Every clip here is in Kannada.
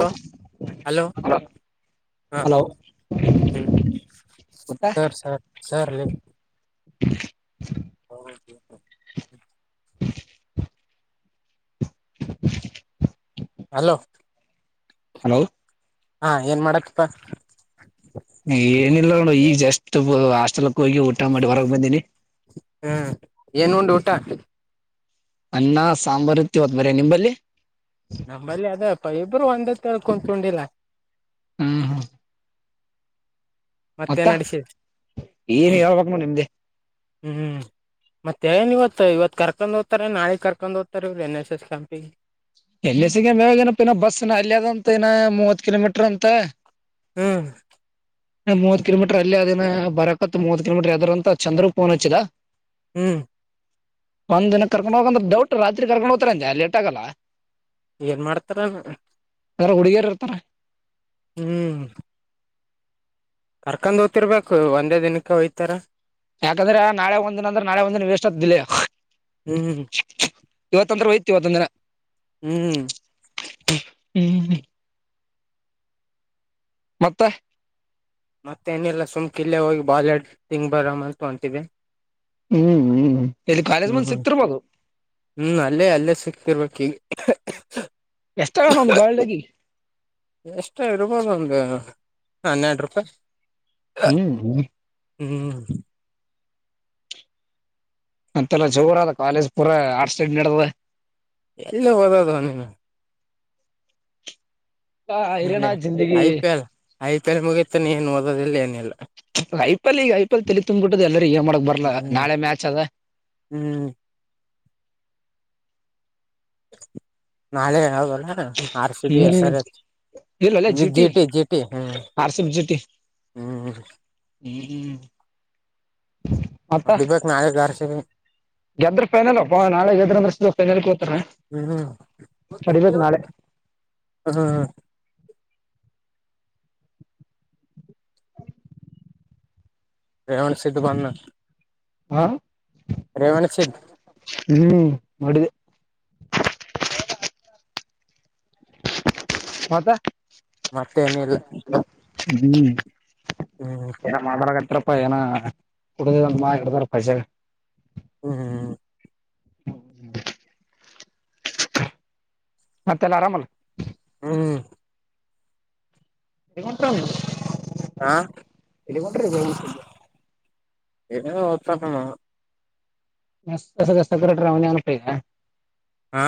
ಹಲೋ ಹಲೋ ಹ ಹಲೋ ಸರ್ ಸರ್ ಸರ್ ಹೇಳ್ರಿ [unintelligible] [unintelligible] [unintelligible] [unintelligible] ಹಲೋ ಹಲೋ ಹಾ ಏನ್ ಮಾಡತೀಪ್ ಏನಿಲ್ಲ ನೋಡ ಈಗ ಜಸ್ಟ್ ಹಾಸ್ಟೆಲ್ ಹೋಗಿ ಊಟ ಮಾಡಿ ಹೊರಗ ಬಂದನಿ ಹ್ಮ್ ಏನ್ ಉಂಡ ಊಟಾ ಅನ್ನ ಸಾಂಬಾರ್ ಇತ್ತ ಇವತ್ತ್ ಬರೆ ನಿಂಬಲ್ಲಿ ನಂಬಲ್ಲಿ ಅದೇಪ್ಪ ಇಬ್ಬರು ಒಂದ ತೇಳ್ಕೊಂಡಿಲ್ಲ ಹೂ ಮತ್ತೆನಡಸಿದೀ ಏನ್ ಹೇಳ್ಬೇಕ್ ನೋಡ್ ನಿಮ್ದೆ ಹೂಂ ಮತ್ತೆ ಏನ್ ಇವತ್ತು ಇವತ್ತು ಕರ್ಕೊಂಡ್ ಹೋಗ್ತಾರಾ ನಾಳಿಗ ಕರ್ಕೊಂಡ್ ಹೋಗ್ತಾರಾ ಇವರು ಎನ್ ಎಸ್ ಎಸ್ ಕ್ಯಾಂಪಿಗಿ [unintelligible] ಏನ್ ಸ್ ಇನ್ನಾ ಅಲ್ಲಿಯದಂತ ಇನ ಮೂವತ್ ಕಿಲೋಮೀಟರ್ ಅಂತ ಹೂ ಮೂವತ್ ಕಿಲೋಮೀಟರ್ ಅಲ್ಲಿ ಅದನ ಬರಕತ್ ಮೂವತ್ ಕಿಲೋಮೀಟರ್ ಯದ್ರ ಅಂತ ಚಂದ್ರ ಫೋನ್ ಹಚ್ಚಿದಾ ಹೂ ಒಂದಿನ ಕರ್ಕೊಂಡ್ ಹೋಗಂದ್ರ ಡೌಟ್ ರಾತ್ರಿ ಕರ್ಕೊಂಡ್ ಹೋಗ್ತ ಅಂತೆೆ ಲೇಟ್ ಆಗಲ್ಲಾ ಏನ್ ಮಾಡ್ತಾರ ಏನೋ ಅದರಾಗ ಹುಡುಗಿಯರು ಇರ್ತಾರ? ಹೂ ಕರ್ಕೊಂಡ್ ಹೋತಿರಬೇಕು ಒಂದೇ ದಿನಕ್ಕೆ ಹೋಯ್ತಾರ ಯಾಕಂದ್ರೆ ನಾಳೆ ಒಂದ್ ದಿನ ಅಂದ್ರೆ ನಾಳೆ ಒಂದಿನ ವೇಸ್ಟ್ ಆತ್ ಇಲ್ಲೇ. ಹೂ ಹೂ ಹೂ ಇವತ್ತ್ ಅಂದ್ರ ಹೋಯ್ತಾ ಇವತ್ತೊಂದ ದಿನ ಹೂ [unintelligible] ಮತ್ತ ಮತ್ತೇನಿಲ್ಲ ಸುಮ್ ಕಿಲ್ಲೇ ಹೋಗಿ ಬಾಲ್ ಆಡಿ ಎಗ್ ತಿಂದ ಬರಮಿ ಅಂತ ಹೊಂಟಿದೆ ಹ್ಮ್ ಹ್ಮ್ ಇಲ್ಲಿ ಕಾಲೇಜ್ ಹೂ ಮಂದಿ ಹೂ ಸಿಕ್ತಿರ್ಬೋದು ಹೂ ಅಲ್ಲೇ ಅಲ್ಲೇ ಸಿಕ್ತಿರ್ಬೇಕ ಈಗ [inaudible] ಎಷ್ಟಾಗಣ ಒಂದು ಬಾಲ್ಡ್ ಎಗಿಗೀ ಎಷ್ಟ ಇರ್ಬೋದು ಒಂದು ಹನ್ನೆರಡು ರೂಪಾಯಿ ಹ್ಮ್ ಹ್ಮ ಹ್ಮ್ ಮತ್ತೆಲ್ಲ ಜೋರ ಅದ ಕಾಲೇಜ್ ಪೂರ ಆ ಸ್ಟೈ ನಡದದ ಎಲ್ಲ ಹೋಗೋದ ನೀನ್ ಹೈರಾಣ ಇಲ್ಲ ಜಿಂದಗಿ I P L I P L ಮುಗತಾನ ಏನು ಓದೋದಿಲ್ಲ ಏನಿಲ್ಲ ಐ ಪಿ ಎಲ್ ಈಗ ಐಪಿ ಎಲ್ ತೆಲಿ ತುಂಬ್ಬಿಟ್ಟದ ಎಲ್ಲರ ಏನ್ ಮಾಡಕ್ ಬರ್ಲ್ಲ ಹ್ಮ್ ನಾಳೆ ಮ್ಯಾಚ್ ಅದ ಹ್ಮ್ ನಾಳೆ ಹೇಳ [unintelligible] ಹ ಆರ್ ಸಿ ಬಿ ಎಸ್ ಹ್ಮ್ ಆರ್ ಎ ಇಲ್ಲಲ್ಲ G G T T G T ಹ್ಮ್ ಆರ್ ಸಿ ಬಿ ಜಿಟಿ ಹ್ಮ್ ಹ್ಮ್ ಮತ್ತ ಹೋಡಿಬೇಕ್ ನಾಳಿದ್ದು ಆರ್ ಸಿ ಬಿ ನ ಗೆದ್ರ ಫೈನಲ್ ಅಪ್ಪ ನಾಳೆ ಗೆದ್ರ ಅಂದ್ರ ಫೈನಲ್ಗೆ ಹೋತಾರ ಹ್ಮ್ ತಡಿಬೇಕು ನಾಳೆ ಹ ಹ ರೇವಣ್ಣ ಸಿದ್ದುು ಬನ್ನ ಹಾ ರೇವಣ್ಣಸಿದ್ ಹ್ಮ ನೋಡಿದೆ ಮತ್ತೆ ಮತ್ತೇನಿಲ್ಲ ಹ್ಮ್ ಹ್ಮ್ ಏನ ಮಾತಾಡಕತಿರ್ ಅಪ್ಪ ಏನ ಕುಡಿದ ಅಂದ ಮಾ ಎಡ್ತಾರ [unintelligible] ಹ್ಮ್ [unintelligible] ಮತ್ತೆ ಎಲ್ಲ ಆರಾಮಲ್ಲ ಹ್ಮ್ ಹಾ [unintelligible] ಎಲ್ಲಿಗೊರ್ಟ್ರಿ [unintelligible] [unintelligible] ಸ ಸೆಕರಟ್ರಿ ಅವನ [unintelligible] ಹಾ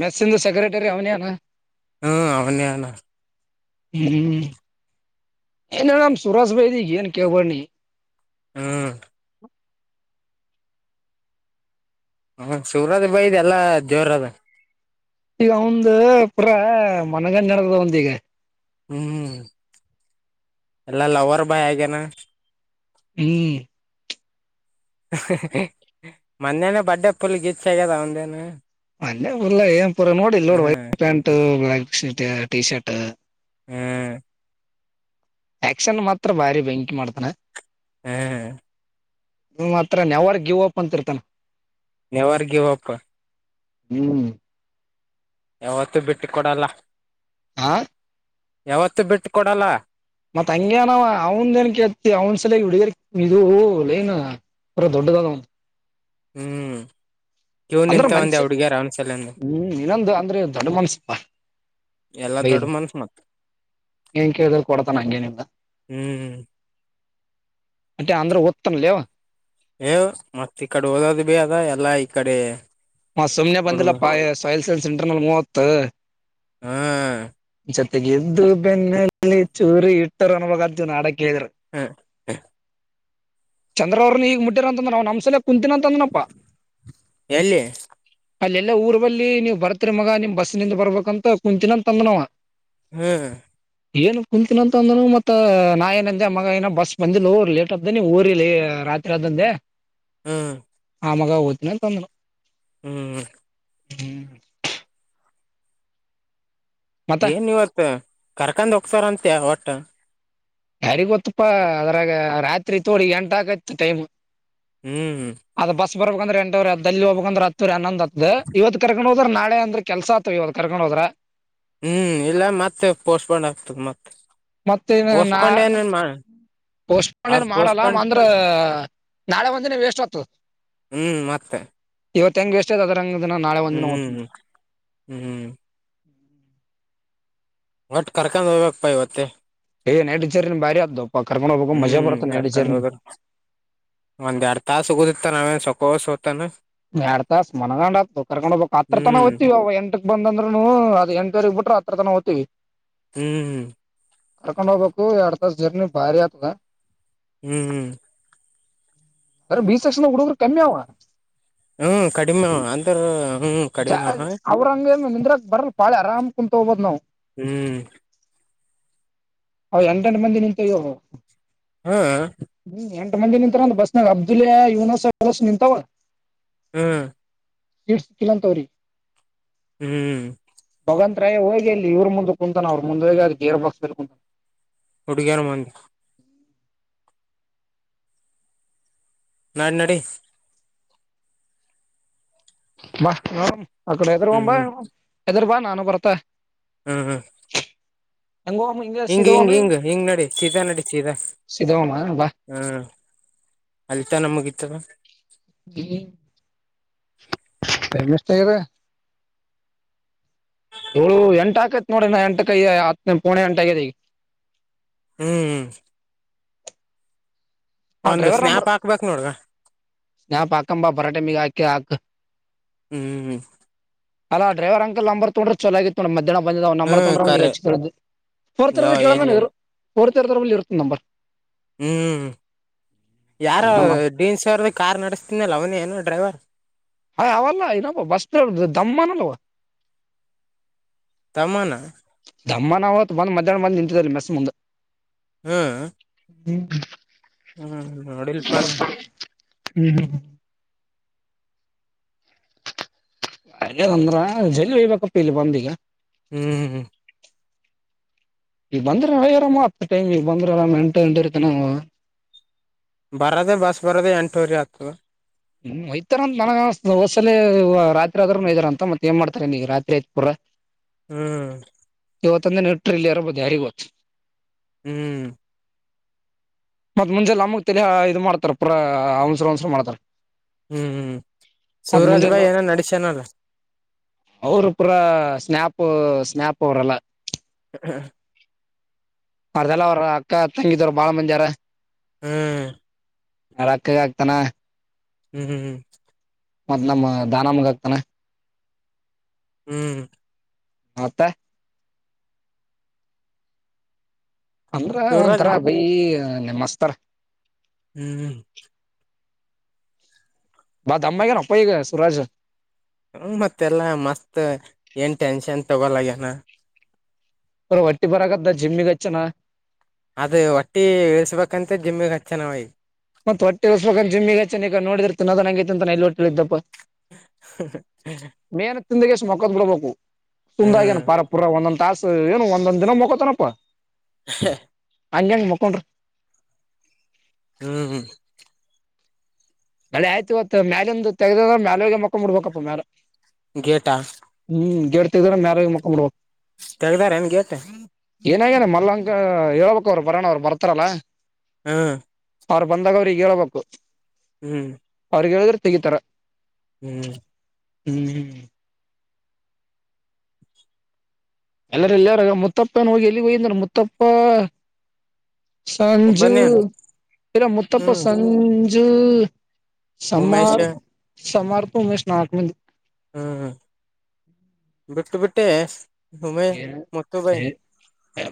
ಮೆಸ್ಸಿನ್ದು ಸೆಕ್ರೆಟರಿ ಅವನೇನಾ ಹ್ಮ್ ಅವನೇ ನ ಹ್ಮ ಎನ ನಮ್ ಸುರಾಜ್ ಭೈದಿ [unintelligible] ನೀ ಹ್ಮ್ ಹ್ಮ ಸೂರಜ್ ಬೈದ ಎಲ್ಲಾ ದೇವ್ರದ ಈಗ ಒಂದ ಪುರ ಮನಗಂಜ ನಡದ ಒಂದ ಈಗ ಹ್ಮ್ ಎಲ್ಲಾ ಲವರ್ ಬಾಯ್ ಆಗ್ಯನಾ ಹ್ಮ್ ಮೊನ್ನೇನೆ ಬಡ್ಡ ಪುಲ್ ಗೀಚಾ ಆಗಿದ್ದ ಅವದೇನ ಅಲ್ಲೆ ಉರ್ಲ್ಲ ಏನ್ ಪುರ ನೋಡಿಲ್ ನೋಡಿ ವೈಟ್ ಹ್ಮ್ ಪ್ಯಾಂಟ್ ಬ್ಲಾಕ್ ಟೀ ಶರ್ಟ್ ಹ್ಮ್ ಆಕ್ಷನ್ ಮಾತ್ರ ಬಾರಿ ಬೆಂಕಿ ಮಾಡ್ತಾನ ಹ್ಮ್ ನಿಮ್ ಹತ್ರ ನೆವರ್ ಗಿವ್ ಅಪ್ ಅಂತಿರ್ತಾನ ನೆವೆರ್ ಗಿವ್ ಆಪ್ ಹ್ಮ್ ಯಾವತ್ತು ಬಿಟ್ಟು ಕೊಡಲ್ಲ ಹಾ ಯಾವತ್ತು ಬಿಟ್ಟು ಕೊಡಲ್ಲ ಮತ್ತ ಹಂಗ್ಯನಾವ ಅವಂದೇನಕ್ಕ ಕೇಳ್ತೀಯ ಅವನ್ ಸಲ ಹುಡುಗರ್ [unintelligible] ಏನು ಬಾರಿ ದೊಡ್ಡದಾಗ ಅವ್ನ ಹ್ಮ್ ಕ್ಯೂ ಅಂದ್ರ ನಿಂತ ಮನ್ಷ ಎಂದೇ ಹುಡ್ಗೀರ ಅವ್ನ್ [unintelligible] ಹ್ಮ್ ಇನ್ನೊಂದು ಅಂದ್ರೆ ದೊಡ್ಡ ಮನ್ಸಪಾ ಎಲ್ಲಾ ದೊಡ್ಡ ಮನುಷ್ಯ ಮತ್ತೆ ನೀನ್ ಕೇಳಿದ್ರು ಕೊಡತಾನ ಹಂಗೇನು ಇಲ್ಲ ಹ್ಮ್ ಅದೆ ಅಂದ್ರೂ ಓದತಾನ ಲೇವ್ವಾ. ಏ ಮತ್ತತ್ ಈ ಕಡೆ ಓದದು ಭೀ ಅದ. ಎಲ್ಲಾ ಈ ಕಡೆ, ಮ ಸುಮ್ನೆ ಹುಡುಗ ಬಂದಿಲ್ಲಪ್ಪ ಸಯಿಲ್ ಸೈನ್ ಸೆಂಟರ್ ನಲ್ಲಿ ಮೂವತ್, ಹಾ ಜೊತೆಗೆದ್ದು ಬೆನ್ಲಿಲಿ ಚೂರಿ ಇಟ್ಟರು. ಅನ್ಬೇಕ್ ಆಡಕ, ಹ್ಮ, ಚಂದ್ರ ಅವ್ರನು ಈಗ ಮುಟ್ಟಿರ ಅಂತಂದ್ರ ಅವ ನಮ್ಸಲ ಕುಂತಿನಂತಂದ್ರಪ್ಪ. ಎಲ್ಲಿ ಅಲ್ಲೆಲ್ಲಾ ಊರ್ ಬಲ್ಲಿ ನೀವ್ ಬರ್ತ್ರಿ ಮಗ ನಿಮ್ ಬಸ್ ನಿಂದ ಬರ್ಬೇಕಂತ ಕುಂತಿನಂತ ತಂದ್ನವ. ಹ್ಮ್. ಏನ ಕುಂತಿನ ಅಂತ ಅಂದನು ಮತ್ತ ನಾ ಏನಂದ ಮಗ ಏನ ಬಸ್ ಬಂದಿಲ್ಲ ಹೊರಿ ಲೇಟ್ ಅ್ದ ನೀವು ಹೊರೀ ಲೆ, ರಾತ್ರಿ ಅದಂದೆ, ಹ್ಮ್. ಆ ಮಗ ಹೊತಿನಂತ್ ಅಂದುನು. ಹ್ಮ್. ಹ್ಮ್. ಮತ್ತ ಏನ ಇವತ್ತು ಕರ್ಕಂದ್ ಹೋಗ್ತಾರ ಅಂತೆ ಒಟ್ಟ. ಯಾರಿ ಗೊತ್ತಪ್ಪಾ ಅದ್ರಾಗ ರಾತ್ರಿ ತೋಡಿ ಎಂಟ ಆಕೈತ ಟೈಮ್. ಹ್ಮ್. ಬರ್ಬೇಕ ಅಂದ್ರ ಎಂಟವರಿ ಅತ್ದ್ ಅಲ್ಲಿ ಹೋಗಬೇಕಂದ್ರ ಹತ್ತವರಿ ಹನ್ನೊಂದ ಅತ್ದ್ ಇವತ್ತು ಕರ ಹ್ರ ನಾಳೆ ಅಂದ್ರೆ ಕೆಲ್ಸ ಆತ್ವಾಗ ಇವತ್ತ ಕರ್ಕೊಂಡ್ ಹೋದ್ರ. ಹ್ಮ್ ಇಲ್ಲ ಮತ್ತೆ ಪೋಸ್ಟ್ಪೋಡ್ ಆಗ್ತದ ಮತ್. ಮತ್ತೇ ನಾ, ಅವ್ರ ಪೋಷಫೋನ್ ಮಾಡಲ್ಲ ಪೋಸ್ಟ್ಪೋಂಡ್ ಅಂದ್ರ ನಾಳೆ ಒಂದಿನ ವೇಷ್ಟ ಅತ್ದ್. ಹ್ಮ್ ಮತ್ತ. ಇವತ್ತು ಹೆಂಗೆ ಎಷ್ಟೇ್ ಅದ್ರಂಗ ದಿನ ನಾಳೆ ಒಂದಿನ ಹೋಗ್ತ ಹ್ಮ್ ಒಟ್ ಕರ್ಕೊಂಡ್ ಹೋಗ್ಬೇಕಪ್ಪಾ ಇವತ್ತ. ಏ ನೈಟ್ ಜರ್ನಿ ಬರಿ ಅತದೋ. ಹ್ಮ್ ಕರ್ಕೊಂಡ ಹೋದ್ರ ಒಂದ್ ಎರಡ್ ತಾಸ್ ಸಿಗುದಿತ್ತ ನಾವೇನ್ ಸೊ ಕೋಷ ಹೊತಾನ. ಎರಡ ತಾಸ ಮನಗೊಂಡ ಅತ್ದ್ ಕರ್ಕೊಂಡ್ ಹೋಗಬೇಕ್ ಹತ್ರತನ ಹ್ಮ್ ಹೋತೀವಿ. ಎಂಟ ಹನೊಂದು ಅಂದ್ರೂನು ಅದ ಎಂಟುವರೆಗ್ ಬಿಟ್ರೆನು ಹತ್ರತನ ಹೋಗ್ತೀವಿ. ಹ್ಮ್. ಕರ್ಕೊಂಡ ಹೋಗ್ಬೇಕು ಎರಡ ತಾಸ ಜರ್ನಿ ಭಾರಿ ಆತದ. ಹ್ಮ್. ಅರೆ ಬಿ ಸೆಕ್ಷನಗ ಹುಡುಗರು ಕಮ್ಮಿ ಆವಾ. ಹ್ಮ್ ಕಡಿಮೀ ಆವಾ. ಅಂದ್ರ ಹ್ಮ್ ಜ ಕಡಿಮೆ ಅವ ಅವ್ರಂಗ ನಿಂದ್ರಾಗ ಬರಲ ಪಾಳೆ ಆರಾಮ್ ಕುಂತ್ ಹೋಗಬೋದ್ ನಾವವು. ಹ್ಮ್. ಹ್ [unintelligible] ಮಂದಿ ನಿಂತುಯ್ಯೋ ಹಾ. ಮಂದಿ ನಿಂತರಂದ ಬಸ್ನಾಗ ಅಬ್ದುಲ್ಯಾ ಯುನಸ್ ಎಲ್ಲೋಸು ನಿಂತವ. ಹ್ಮ್. ಸಿಟ್ ಸಿಕ್ಕಿಲ್ಲ ಅಂತ ಅವರ್ಗ್. ಹ್ಮ್. ಮುಗಂತ್ರ ಹೋಗಿ ಇಲ್ಲಿ ಇವ್ರರು ಮುಂದೆ ಕುಂತಾನ ಅವರು ಮುಂದೆ ಹೋಗಿ ಅದ ಗೇರ್ ಬಾಕ್ಸ್ ಕುಂತಾನ. ಹುಡಿಗೇರ ಮುಂದ್. ನಡಿ, ನಡಿ ಬಾ ಹ ಅಕಡೆ ಎದರು ಒ ಹ್ಮ್ ಬಾ ಹ್ಮ್ ಎದರ್ ಬಾ ನಾನು ಬರ್ತ. ಹ್ಮ್. ಹೆಂಗೋಮ ಹಿಂಗ ಹಿಂಗ್ ಸಿದೋಮ ಹಿಂಗ್ ಹಿಂಗ್ ಹಿಂಗ್ ನಡಿ ಸೀದಾ ನಡಿ ಸೀದಾ ಸಿದೋಮ ಬಾ ಹ್ಮ್. ಅಲ್ಲಿತ್ನ ಮುಗಿತದ. ಹ್ ಟೈಮ್ ಎಷ್ಟಾಗದೆ? ಏಳು ಎಂಟ ಆಕೈತ್ ನೋಡು ಎಂಟಕೈ ಹತ್ ಪೋಣೆ ಎಂಟು ಆಗದೆ ಹ್ಮ್ ಹ್ಮ ಆ ಡ್ರೈವರ್ ನಂಬರ್ ಸ್ನ್ಯಾಪ್ ಹಾಕ್ಬೇಕ್ ನೋಡ್ಗ ಸ್ನಾಪ್ ಹಾಕಂಬ ಬರಾ ಟೈಮಿಗೆ ಹಾಕಿ ಹಾಕ್ ಹ್ಮ್ ಅಲ್ಲ ಡ್ರೈವರ್ ಅಂಕಲ್ ನಂಬರ್ ತಗೊಂಡ್ರಿದ ಚಲಾಗಿತ್ತು ನೋಡ್ ಮದ್ ಬಂದಾ ನಂಬರ್ ಹ್ಮ್ ಕರೆ ತೊಂಗಡಿದ್ರೆ ಯಾವ ಎಲ್ಲಿ [unintelligible] ಕೂರ್ತಿರತರಲ್ಲಿ ಇರುತ್ತೆ ನಂಬರ್ ಹ್ಮ್ ಯಾರ ನಂಬರ್ ಡೀನ್ಸ್ ಸರ್ ಕಾರ್ ನಡೆಸ್ತನೆಲ್ಲ ಅವನೇ ಏನು ಡ್ರೈವರ್ ಹ್ ಅವಲ್ಲ ಇನೊಬ್ಬ ಬಸ್ ದಮಾನಲ್ಲವಾ ತಮ್ಮನ ತಮ್ಮನ ಹೊತ್ತು ಬಂದು ಮಧ್ಯಾಹ್ನ ಬಂದು ನಿಂತಿದ್ದ ಮೆಸ್ ಮುಂದೆ ಹ್ಮ್ ಹ್ಮ್ ಹ್ಮ್ ನೋಡಿಲ್ಪಾನ ಹ್ಮ್ ಹ್ಮ್ ಹ್ಮ ಹಾಗಂದ್ರ ಜಲ್ ಹೊಯಿಬೇಕಪ್ಪ ಇಲ್ಲಿ ಬಂದು ಈಗ ಹ್ಮ್ ಇಲ್ಲಿ ಬಂದ್ರ ರಾಮ ಅತ್ತು ಟೈಮ ಇ ಬಂದರ ಇಟ್ಟಿರತನೋ ಬರೋದೆ ಬಸ್ ಬರೋದೆ ಎಂಟೂವರಿ ಹತ್ತದ ಹ್ಮ ಒಯ್ತಾರಂತ ನನಗ ಅನ್ನಿಸುತ್ತದೆ ಹೊದ್ಸಲಿ ರಾತ್ರಿ ಆದ್ರೂ ವೈಯ್ದಾರ ಅಂತ ಮತ್ತ್ ಏನ್ ಮಾಡ್ತಾರೆ ನೀಗ ರಾತ್ರಿ ಆಯ್ತ್ ಪೂರ ಹ್ಮ್ ಇವತ್ತಂದು ದಿನ ಇಟ್ರ ಇಲ್ಲೆ ಇರಬೋದು ಯಾರಿಗೋತ್ತು. ಹ್ಮ್ ಮತ್ತ್ ಮುಂಜೆ ನಮ್ಮಗ್ ತಿಲ ಇದು ಮಾಡ್ತಾರ ಪುರ ಅವನ್ಸ ಒನ್ಸರು ಮಾಡ್ತಾರ ಹ್ಮ್ ಹ್ಮ್ ಶಿವರಾಜ್ ಬಾಯ್ ಏನೋ ನಡಿಸ್ಯನಲ್ಲ ಅವ್ರ ಪುರ ಸ್ನ್ಯಾಪು ಸ್ನ್ಯಾಪು ಅವರೆಲ್ಲ ಹ್ಮ ಹ್ಮ ಅರ್ದೆಲ್ಲಿ ಅವ್ರ ಅಕ್ಕ ತಂಗಿದವರು ಬಾಳ ಮಂದಿ ಹೌರ ಹ್ಮ್ ಅವರ್ ಅಕ್ಕಗ ಆಗ್ತಾನ ಹ್ಮ್ ಹ್ಮ್ ಹ್ಮ್ ಮತ್ತ್ ನಮ್ಮ ದಾನಮಗ ಆಕ್ತಾನ ಹ್ಮ್ ಮತ್ತೆ ಅಂದ್ರೆ ಸೂರಜ್ ಒಂಥರ ಬಾಯಿ ಮಸ್ತಾರ ಹ್ಮ್್ಮ ಬತ್ ಅಮ್ಮಗ ನ ಅಪ್ಪಗ ಸುರಾಜ್ ಹ್ಮ ಮತ್ತೆಲ್ಲಾ ಮಸ್ತ್ ಏನ್ ಟೆನ್ಷನ್ ತಗೊಲಗ್ಯನ ಅವರ ಹೊಟ್ಟಿ ಬರಕತದ ಜಿಮ್ಮಿಗೆ ಹಚ್ಚನಾ ಅದು ಹೊಟ್ಟಿ ಇಳಸ್ಬೇಕಂತ ಜಿಮ್ಮಿಗೆ ಹಚ್ಚನಾವ ಐ ಮತ್ತ್ ಹೊಟ್ಟೆಸ್ಬೇಕ ಜಿಮ್ಮಿಗ್ ಆಚೆನ ಈಗ ನೋಡಿದ್ರೆ ತಿಂದಾಗನೆ ತಿನ್ನುತ್ತಾನ ಎಲ್ಲಿ ಹೊಟ್ಟೆ ಇಳಿದ್ದಪ್ಪ ಹಹ ತಿಂದಗೆ ಎಷ್ಟು ಮೊಕ್ಕದ್ ಬಿಡ್ಬೇಕು ತುಂಬಾಗಿ ಏ ಹ್ಮ್ ಪಾರ ಪುರ ಒಂದೊಂದು ತಾಸ್ ಏನು ಒಂದೊಂದ್ ದಿನ ಮೊಕೋತನಪ್ಪಾ ಹ ಹಂಗ್ ಹೆಂಗ್ ಮುಕ್ಕೊಂದರೆ ಹ್ಮ್ ಹ್ಮ್ ಮಳೆ ಆಯ್ತತಿ ಇವತ್ ಮೇಲಿಂದು ತೆಗದು ಮ್ಯಾಲ್ ಹೋಗಿ ಮೊಕ್ಕ ಮುಡ್ಬೇಕಪ್ಪ ಮ್ಯಾಲೆ ಗೇಟಾ ಹ್ಮ್ ಗೇಟ್ ತೆಗೆರೆ ಮ್ಯಾಲಿ ಹೋಗಿ ಮೋಕೊಂಬಿಡ್ಬೇಕು ತೆಗ್ದಾರ ನಿನ್ಗೆಟು ನನ್ನಾಗೇನೆ ಮಲ್ಲಂಕ ಹ ಹೇಳಳ್ಬೇಕ ಅವ್ರು ಬರೋಣ ಅವ್ ಬರ್ತಾರಲ್ಲ. ಹ್ಮ್ ಅವ್ರು ಬಂದಾಗ ಅವ್ರಿಗ್ ಹೇಳ್ಬೇಕು. ಹ್ಮ್ ಅವ್ರಿಗೆ ಹೇಳಿದ್ರೆ ತೆಗಿತಾರ. ಹ್ಮ್ ಹ್ಮ್ ಹ್ಮ್ ಎಲ್ಲಾರ ಎಲ್ಲಾರ ಮುತ್ತಪ್ಪನ ಹೋಗಿ ಎಲ್ಲಿ ಹೋಗಯಂದ್ರ ಮುತ್ತಪ್ಪ. ಸಂಜು ಒಬ್ಬನೇನ್ ಇರ ಮುುತ್ತಪ್ಪ ಹ್ಮ್ ಸಂಜು. ಉಮೇಶ್ ಸಮಾರ ಸಮಾರ್ [unintelligible] ಹ್ಮ್ ಬಿಟ್ಟು ಬಿಟ್ಟೆ. ಉಮೇ ಮುತ್ತು ಬಾಯಿ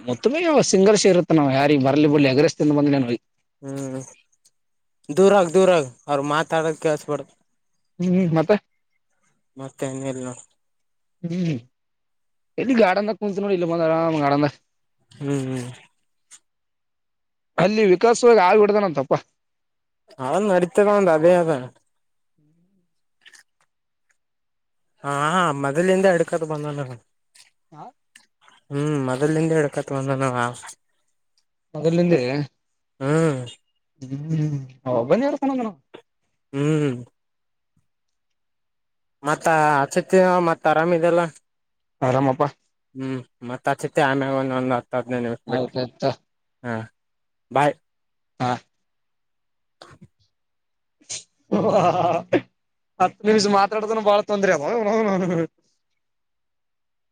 ಮೊತ್ತಮ ಯ್ಯಾವಸ್ ಸಿಂಗರ್ಸ್ ಇರುತ್ತ ನವು ಯಾರಿಗೆ ಬರ್ಲಿ ಬಿಡ್ಲಿ ಎಗ್ ರೈಸ್ ಬಂದೇನ್ರೀ. ಹ್ಮ್ ದೂರಾಗ ದೂರಾಗ ಅವರು ಮಾತಾಡದ ಕೇಳಿಸಬಾರದು ಹ್ಮ್ ಮತ್ತೆ ಮತ್ತೆ ಹೆಂಗಿರ್ಲ ಹ್ಮ್ ಎಲ್ಲಿ ಗಾರ್ಡನ್ದ ಕುಂಚ ನೋಡಿ ಇಲ್ಲ ಮ ಆರಾಮ ಗಾರ್ಡನ್ದ. ಹ್ಮ್ ಅಲ್ಲಿ ವಿಕಾಸವಾಗಿ ಆಗಿ ಬಿಡ್ದನಂತಪ್ಪ ಹ ನಡತದ ಒಂದ ಅದೇ ಅದ ಹ ಹಾ ಮೊದಲಿಂದ ಹಡ್ಕದ ಬಂದಲ್ಲನವ ಹಾ ಹ್ಮ್ ಮೊದಲಿಂದ ಹಿಡಕತ್ ಬಂದನವ. ಮೊದಲ್ಲಿಂದೆ ಹಾ [unintelligible] ಹ್ಮ್ ಮತ್ತ ಆ ಚತಿ ಮತ್ತತ್ ಆರಾಮದೆಲ್ಲ. ಆರಾಮಪ್ಪಾ ಹ್ಮ್ ಮತ್ ಹಚ್ಚಿತಿ [unintelligible] ಆಯ್ತಾಯ್ತಾ ಹಾಂ ಬಾಯ್ ಹ [unintelligible] ಅತ್ ನಿಮ್ಜ ಮಾತಾಡ್ದನ ಬಾಳ ತೊಂದ್ರ [unintelligible] [inaudible]